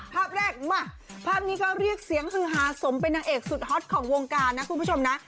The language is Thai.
ภาพแรกมาภาพนี้ก็เรียกเสียงฮือฮาสมเป็นนางเอกสุดฮอตของวงการนะคุณผู้ชมนะ